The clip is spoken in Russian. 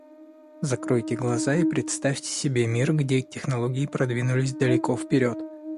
Закройте глаза и представьте себе мир, где технологии продвинулись далеко вперед.